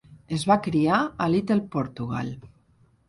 Es va criar a Little Portugal.